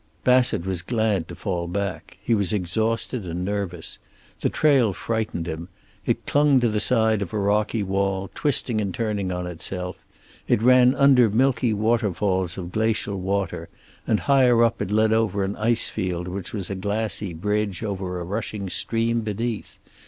Bassett was glad to fall back. He was exhausted and nervous. The trail frightened him. It clung to the side of a rocky wall, twisting and turning on itself; it ran under milky waterfalls of glacial water, and higher up it led over an ice field which was a glassy bridge over a rushing stream beneath.